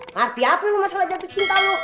ngerti apa lo masalah jatuh cinta lo